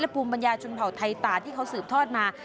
ภูมิปัญญาชนเผ่าไทยตาที่เขาสืบทอดมา